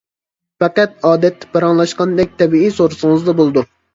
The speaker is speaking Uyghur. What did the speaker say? پەقەت ئادەتتە پاراڭلاشقاندەك تەبىئىي سورىسىڭىزلا بولىدۇ.